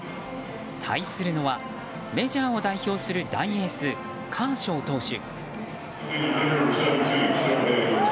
対するのは、メジャーを代表する大エースカーショー投手。